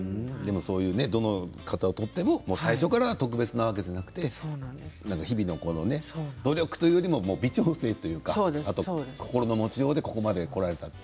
どの方を取っても最初から特別なわけではなく日々の努力というよりも微調整というかあと心の持ちようでここまでこられたと。